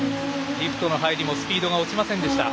リフトの入りもスピードが落ちませんでした。